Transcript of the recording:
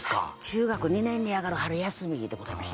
中学２年に上がる春休みでございました。